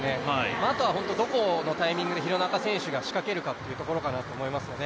あとは本当にどこのタイミングで廣中選手が仕掛けるかっていうところだと思いますね。